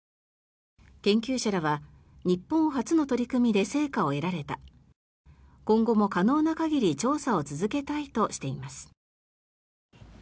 研究者らは、日本初の取り組みで成果を得られた今後も可能な限り調査を続けたいとしています。